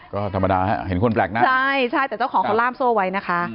ก็ธรรมดาฮะเห็นคนแปลกหน้าใช่ใช่แต่เจ้าของเขาล่ามโซ่ไว้นะคะ